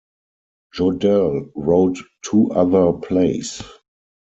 Jodelle wrote two other plays.